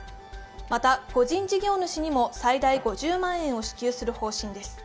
また個人事業主にも最大５０万円を支給する方針です。